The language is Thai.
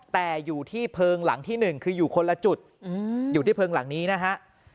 แต่อยู่ที่เพลิงหลังที่๑คืออยู่คนละจุดอยู่ที่เพลิงหลังนี้นะฮะ